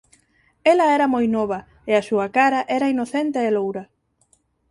Ela era moi nova e a súa cara era inocente e loura.